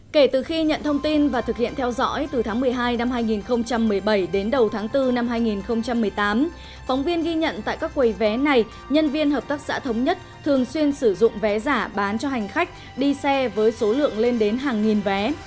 khi nhận tại các quầy vé này nhân viên hợp tác xã thống nhất thường xuyên sử dụng vé giả bán cho hành khách đi xe với số lượng lên đến hàng nghìn vé